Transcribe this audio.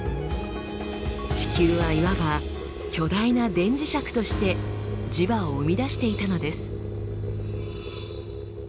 地球はいわば巨大な電磁石として磁場を生み出していたのです。